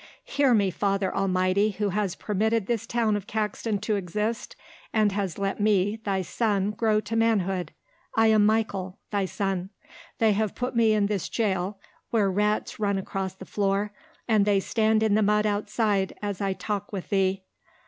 "Hear me, Father Almighty, who has permitted this town of Caxton to exist and has let me, Thy son, grow to manhood. I am Michael, Thy son. They have put me in this jail where rats run across the floor and they stand in the mud outside as I talk with Thee.